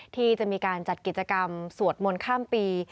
ที่จะมีการจัดกิจกรรมสวดมนต์ข้ามปี